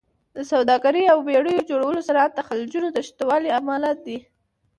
د سوداګرۍ او بېړیو جوړولو صنعت د خلیجونو د شتوالي امله دی.